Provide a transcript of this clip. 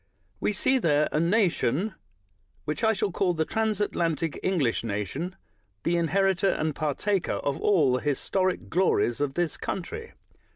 "We see there a nation which I shall call the transatlantic English nation — the inheritor and partaker of all the historic glories of this country.